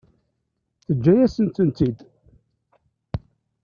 Teǧǧa-yasent-tent-id.